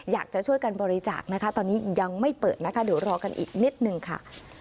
อยากจะช่วยกันบริจาคนะคะตอนนี้ยังไม่เปิดนะคะเดี๋ยวรอกันอีกนิดนึงค่ะ